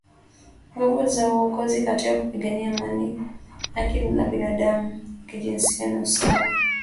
nguvu na uongozi katika kupigania amani haki za binadamu uwiano wa kijinsia na usawa